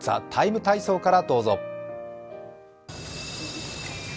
「ＴＨＥＴＩＭＥ，体操」からどうぞ。